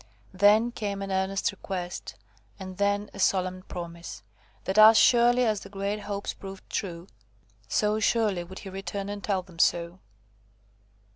Then came an earnest request, and then a solemn promise, that, as surely as the great hopes proved true, so surely would he return and tell them so.